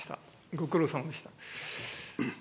ご苦労さまでした。